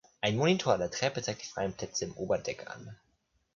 Ein Monitor an der Treppe zeigt die freien Plätze im Oberdeck an.